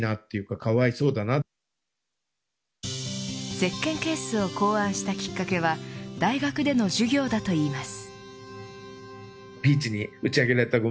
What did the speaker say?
せっけんケースを考案したきっかけは大学での授業だといいます。